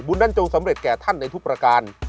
นั้นจงสำเร็จแก่ท่านในทุกประการ